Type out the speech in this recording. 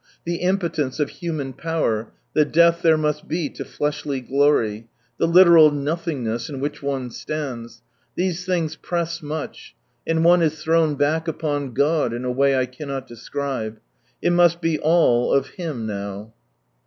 The impotence of human power, the death there must be to fleshly glory, the literal nothingness in which one stands^lhese things press much, and one is thrown back upon God, in a way I cannot describe. It must be all of Him now.